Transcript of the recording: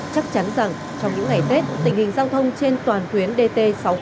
chắc chắn rằng trong những ngày tết tình hình giao thông trên toàn tuyến dt sáu trăm linh